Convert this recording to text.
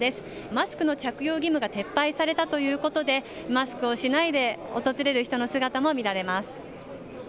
マスクの着用義務が撤廃されたということでマスクをしないで訪れる人の姿も見られます。